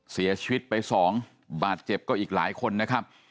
เสียชีวิตไปสองบาดเจ็บก็อีกหลายคนนะครับ